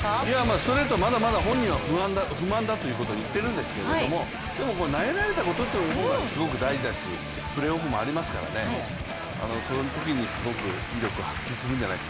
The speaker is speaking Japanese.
ストレート、まだまだ本人は不満だということを言っているんですけどでも投げられたことというのがすごく大事ですしプレーオフもありますからそういうときにすごく威力を発揮するんじゃないか